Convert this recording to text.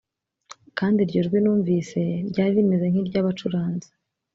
kandi iryo jwi numvise ryari rimeze nk iry abacuranzi